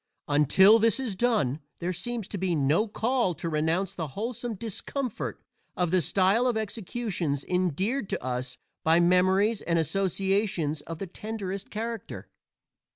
Until this is done there seems to be no call to renounce the wholesome discomfort of the style of executions endeared to us by memories and associations of the tenderest character.